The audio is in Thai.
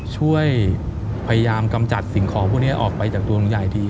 ช่วยพยายามกำจัดสิ่งของพวกนี้ออกไปจากตัวลุงใหญ่ที